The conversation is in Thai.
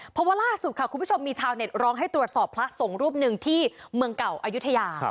เพราะว่าล่าสุดค่ะคุณผู้ชมมีชาวเน็ตร้องให้ตรวจสอบพระสงฆ์รูปหนึ่งที่เมืองเก่าอายุทยา